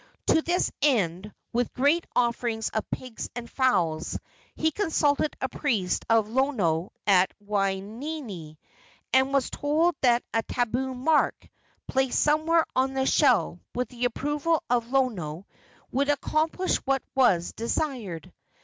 To this end, with great offerings of pigs and fowls, he consulted a priest of Lono at Waianae, and was told that a tabu mark, placed somewhere on the shell with the approval of Lono, would accomplish what was desired.